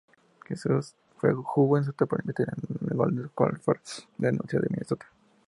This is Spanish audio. Jugó en su etapa universitaria con los "Golden Gophers" de la Universidad de Minnesota.